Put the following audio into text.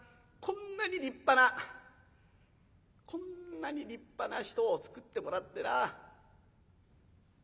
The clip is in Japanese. こんなに立派なこんなに立派な人をつくってもらってな。